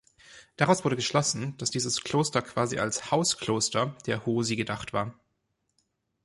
Daraus wurde geschlossen, dass dieses Kloster quasi als „Hauskloster“ der Huosi gedacht war.